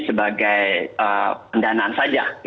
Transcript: sebagai pendanaan saja